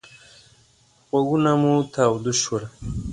غوږونه مو تاوده شول.